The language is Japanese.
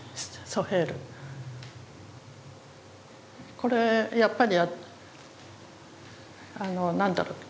これやっぱり何だろ。